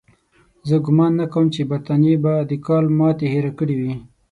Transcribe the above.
زه ګومان نه کوم چې برټانیې به د کال ماتې هېره کړې وي.